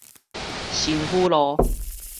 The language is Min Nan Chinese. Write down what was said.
新府路